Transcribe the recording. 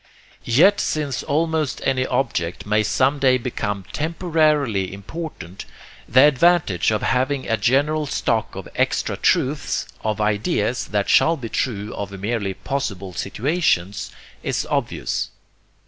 Yet since almost any object may some day become temporarily important, the advantage of having a general stock of extra truths, of ideas that shall be true of merely possible situations, is obvious.